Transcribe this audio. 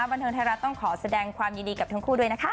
บันเทิงไทยรัฐต้องขอแสดงความยินดีกับทั้งคู่ด้วยนะคะ